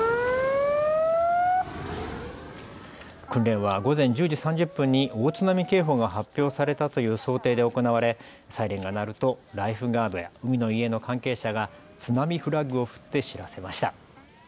訓練は午前１０時３０分に大津波警報が発表されたという想定で行われサイレンが鳴るとライフガードや海の家の関係者が津波フラッグを振って知らせました。